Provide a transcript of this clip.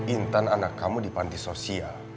intan anak kamu di panti sosial